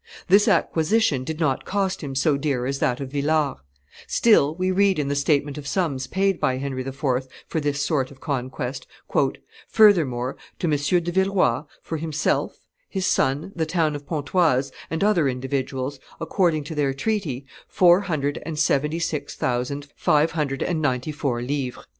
This acquisition did not cost him so dear as that of Villars: still we read in the statement of sums paid by Henry IV. for this sort of conquest, "Furthermore, to M. de Villeroi, for himself, his son, the town of Pontoise, and other individuals, according to their treaty, four hundred and seventy six thousand five hundred and ninety four livres."